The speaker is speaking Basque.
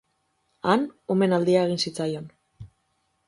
Han, omenaldia egin zitzaion.